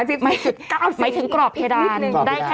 ๓๙๔อีกนิดหนึ่งบอกว่าได้หมายถึงกรอบเพดานได้แค่๓๕